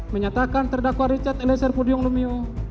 satu menyatakan terdakwa richard eliezer pudyung lumio